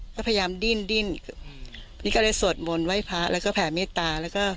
ก็พยายามดิ้นดิ้นนี่ก็เลยสวดมนต์ไหว้พระแล้วก็แผ่เมตตาแล้วก็